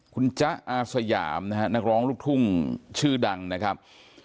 คุณจ๊ะอาสยามนะฮะนักร้องลูกทุ่งชื่อดังนะครับ